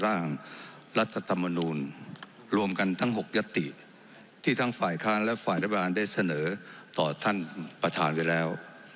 ร่างรัฐธรรมนูลรวมกันทั้ง๖ยศติที่ทั้งฝ่ายค้านและฝ่ายรัฐบาลได้เสนอต่อท่านประธานไว้แล้ว